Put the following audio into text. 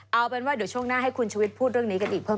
เอาเป็นว่าเดี๋ยวช่วงหน้าให้คุณชุวิตพูดเรื่องนี้กันอีกเพิ่ม